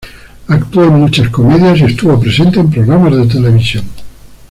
Actuó en muchas comedias y estuvo presente en programas de televisión.